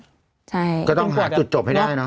ใช่ก็ต้องหาจุดจบให้ได้เนอ